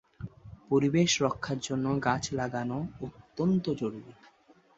পরিবেশ রক্ষার জন্য গাছ লাগানো অত্যন্ত জরুরি।